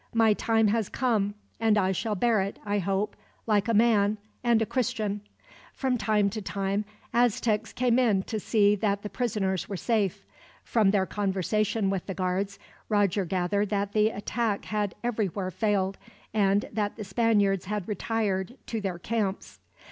My time has come; and I shall bear it, I hope, like a man, and a Christian." From time to time, Aztecs came in to see that the prisoners were safe. From their conversation with the guards, Roger gathered that the attack had everywhere failed, and that the Spaniards had retired to their camps.